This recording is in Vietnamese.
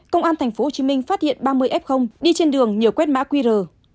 công an tp hcm phát hiện ba mươi f đi trên đường nhiều quét mã qr